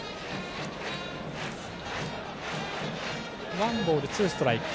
ワンボールツーストライク。